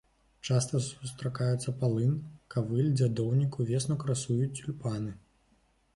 Часта сустракаюцца палын, кавыль, дзядоўнік, увесну красуюць цюльпаны.